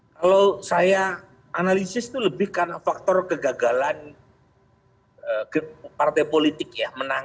kalau saya analisis itu lebih karena faktor kegagalan partai politik ya